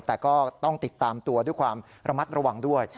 แต่ก็ต้องติดตามตัวด้วยความระมัดระวังด้วย